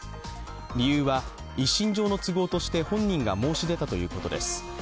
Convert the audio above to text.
理由は、一身上の都合として本人が申し出たということです。